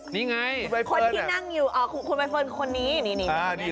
นี่ไงคนที่นั่งอยู่คุณใบเฟิร์นคนนี้นี่